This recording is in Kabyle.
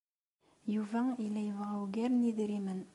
Yuba yella yebɣa ugar n yidrimen.